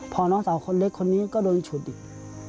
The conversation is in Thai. พอน้องสาวคนเล็กคนนี้ก็โดนฉุดอีก